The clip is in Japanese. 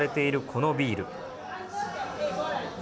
このビール。